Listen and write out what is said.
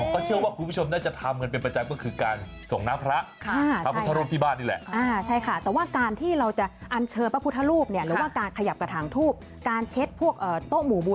ก็เชื่อว่าคุณผู้ชมจะทำเป็นประจัยก็คือการส่งน้าพระประพุทธฤพธิบ้านนี่แหละ